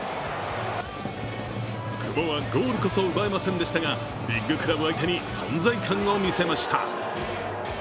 久保はゴールこそ奪えませんでしたが、ビッグクラブ相手に存在感を見せました。